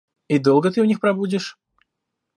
И долго ты у них пробудешь?